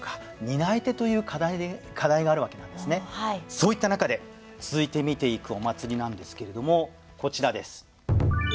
そういった中で続いて見ていくお祭りなんですけれどもこちらです。